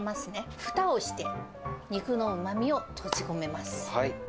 ふたをして、肉のうまみを閉じ込めます。